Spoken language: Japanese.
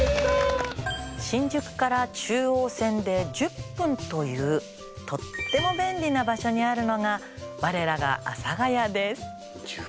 新宿から中央線で１０分というとっても便利な場所にあるのが我らが阿佐ヶ谷です。